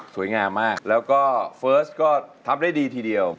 สวยงามมากแล้วก็เฟิร์สก็ทำได้ดีทีเดียว